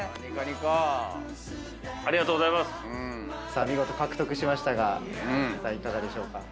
さあ見事獲得しましたが戸次さんいかがでしょうか？